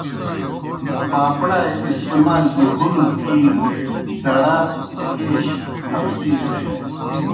پاپڑائے استعمال گیْ، ہُلک اِینوْ، دڑہ، ہیش، قبضی نوشانی۔